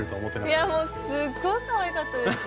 もうすっごいかわいかったですね。